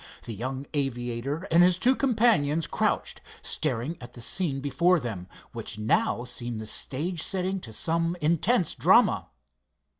The young aviator and his two companions crouched, staring at the scene before them, which now seemed the stage setting to some intense drama.